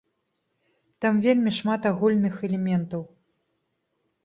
Там вельмі шмат агульных элементаў.